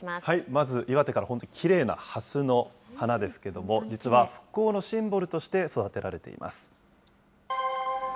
まず、岩手からきれいなハスの花ですけれども、実は復興のシンボルとして育てられています。